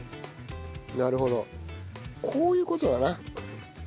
なるほどこういう事だな。